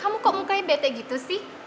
kamu kok mukanya bete gitu sih